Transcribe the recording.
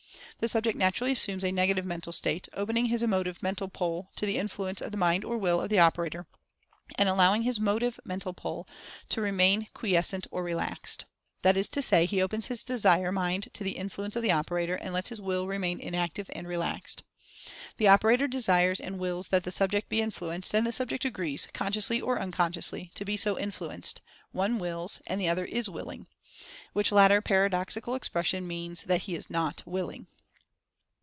The subject naturally assumes a negative mental state, opening his Emotive Mental Pole to the influence of the Mind or Will of the operator, and allowing his Motive Mental Pole to remain quiescent or relaxed. That is to say, he opens his Desire mind to the in fluence of the operator, and lets his Will remain in active and relaxed. The operator Desires and Wills that the subject be influenced, and the subject agrees, consciously or unconsciously, to be so influenced — one Wills, and the other "is willing" (which latter paradoxical expression means that he is not Willing).